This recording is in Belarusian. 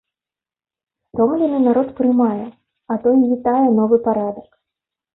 Стомлены народ прымае, а то і вітае новы парадак.